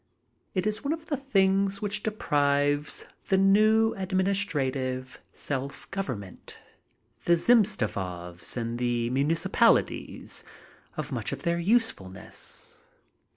It is one of the things which deprives the new administrative self government, the Zemstvos and the Municipalities, of much of their usefulness.